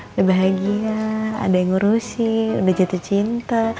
udah bahagia ada yang ngurusi udah jatuh cinta